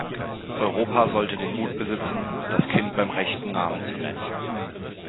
Europa sollte den Mut besitzen, das Kind beim rechten Namen zu nennen.